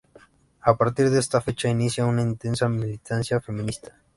A partir de esta fecha inicia una intensa militancia feminista.